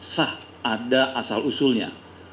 sah ada asal usulnya